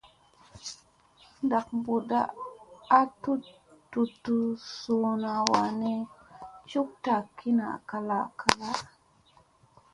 Ndat mbut a tut tutta zoyna wan ni ,cuk tat ki naa ngalas ngalas.